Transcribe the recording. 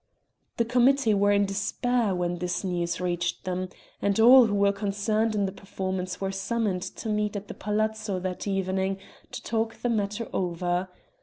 The committee were in despair when this news reached them, and all who were concerned in the performance were summoned to meet at the Palazzo that evening to talk the matter over.